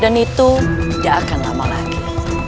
dan itu tidak akan lama lagi